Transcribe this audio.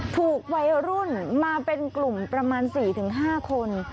ถูกวัยรุ่นมาเป็นกลุ่มประมาณ๔๕คน